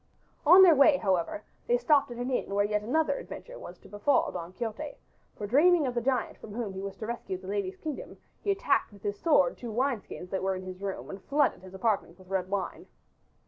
On their way, however, they stopped at an inn where yet another adventure was to befall Don Quixote, for dreaming of the giant from whom he was to rescue the lady's kingdom he attacked with his sword two wine skins that were in his room and flooded his apartment with red wine.